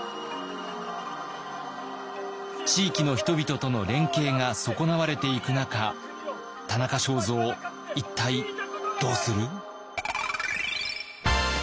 地域の人々との連携が損なわれていく中田中正造一体どうする？